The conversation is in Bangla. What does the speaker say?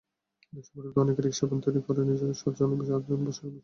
রিকশার পরিবর্তে অনেকেই রিকশাভ্যান তৈরি করে দুজনের স্থলে সাতজনের বসার ব্যবস্থা করেছেন।